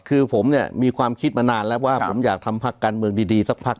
คือผมเนี่ยมีความคิดมานานแล้วว่าผมอยากทำพักการเมืองดีสักพัก